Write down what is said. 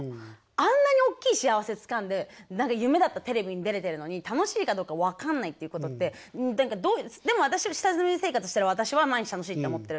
あんなにおっきい幸せつかんで何か夢だったテレビに出れてるのに楽しいかどうか分かんないっていうことってでも下積み生活してる私は毎日楽しいって思ってるって